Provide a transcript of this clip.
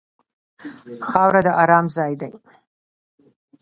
خاوره د ارام ځای دی.